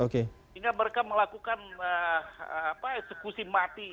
sehingga mereka melakukan eksekusi mati